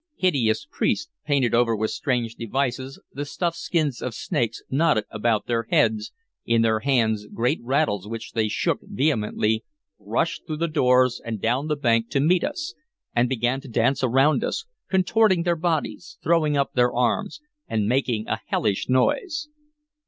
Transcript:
Hideous priests, painted over with strange devices, the stuffed skins of snakes knotted about their heads, in their hands great rattles which they shook vehemently, rushed through the doors and down the bank to meet us, and began to dance around us, contorting their bodies, throwing up their arms, and making a hellish noise.